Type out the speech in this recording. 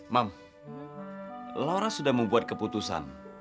mam laura sudah membuat keputusan